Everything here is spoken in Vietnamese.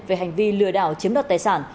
về hành vi lừa đảo chiếm đặt tài sản